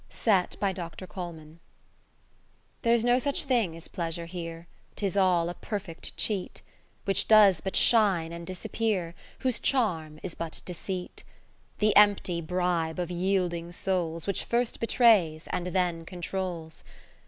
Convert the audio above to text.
Set by Dr. Coleman There's no such thing as Pleasure here, 'Tis all a perfect cheat, Which does but shine and disappear, Whose charm is but deceit : The empty bribe of yielding souls. Which first betrays, and then con trols.